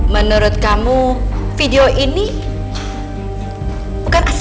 menurut kamu video ini bukan asli